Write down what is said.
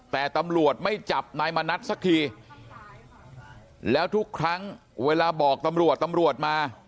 แต่ตำรวจไม่จับนายมณัฐสักทีแล้วทุกครั้งเวลาบอกตำรวจตำรวจมา